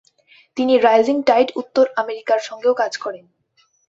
তিনি Rising Tide উত্তর আমেরিকার সঙ্গেও কাজ করেন।